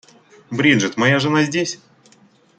Бриджит, моя жена здесь?